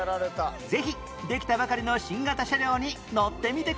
ぜひできたばかりの新型車両に乗ってみてください！